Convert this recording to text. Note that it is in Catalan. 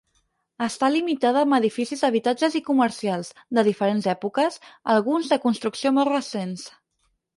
Està limitada amb edificis d'habitatges i comercials, de diferents èpoques; alguns de construcció molt recent.